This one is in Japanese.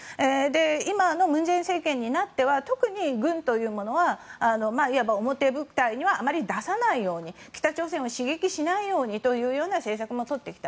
今の文在寅政権になっては特に軍というのはいわば表舞台にはあまり出さないように北朝鮮を刺激しないようにという政策も取ってきた。